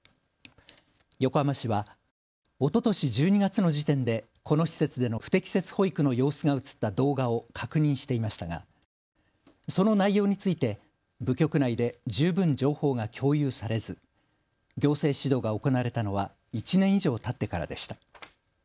横浜市はおととし１２月の時点でこの施設での不適切保育の様子が写った動画を確認していましたがその内容について部局内で十分情報が共有されず、行政指導が行われたのは１年以上たってからでした。